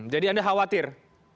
jadi anda khawatir